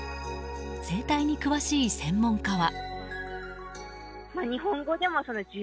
生態に詳しい専門家は。